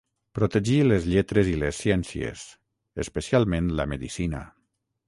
Protegí les lletres i les ciències, especialment la medicina.